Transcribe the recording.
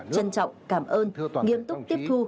trân trọng cảm ơn nghiêm túc tiếp thu